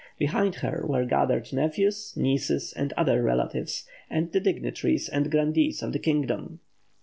Behind her were gathered nephews, nieces, and other relatives, and the dignitaries and grandees of the kingdom.